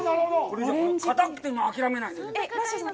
硬くてもあきらめないで。